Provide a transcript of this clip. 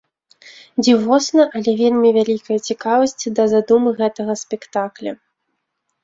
Дзівосна, але вельмі вялікая цікавасць да задумы гэтага спектакля.